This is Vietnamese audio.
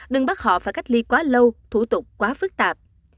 đừng bắt họ phải cách ly quá lâu thủ tục quá phức tạp